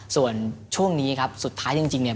ส่วนช่วงนี้ครับสุดท้ายจริงเนี่ย